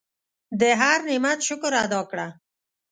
د هر نعمت شکر ادا کړه.